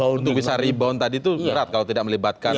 untuk bisa rebound tadi itu berat kalau tidak melibatkan